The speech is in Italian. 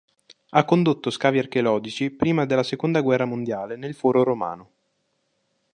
Ha condotto scavi archeologici prima della seconda guerra mondiale nel Foro Romano.